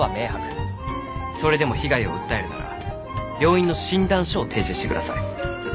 それでも被害を訴えるなら病院の診断書を提示して下さい。